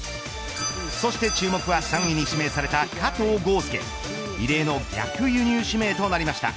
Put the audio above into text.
そして注目は３位に指名された加藤豪将異例の逆輸入指名となりました。